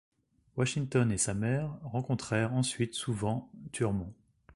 Washington et sa mère rencontrèrent ensuite souvent Thurmond.